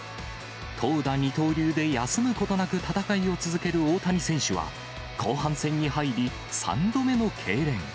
投打二刀流で休むことなく、戦いを続ける大谷選手は、後半戦に入り、３度目のけいれん。